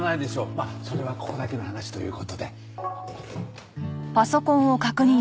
まあそれはここだけの話という事で。